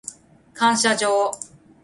感謝状